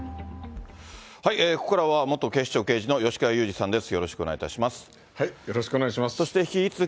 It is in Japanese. ここからは元警視庁刑事の吉川祐二さんです。